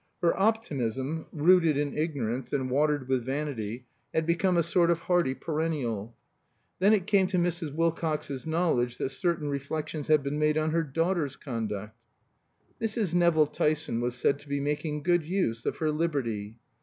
Her optimism, rooted in ignorance, and watered with vanity, had become a sort of hardy perennial. Then it came to Mrs. Wilcox's knowledge that certain reflections had been made on her daughter's conduct. Mrs. Nevill Tyson was said to be making good use of her liberty.